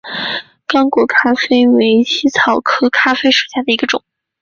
刚果咖啡为茜草科咖啡属下的一个种。